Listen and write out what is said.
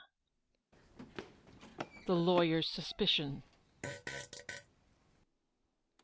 THE LAWYER'S SUSPICION.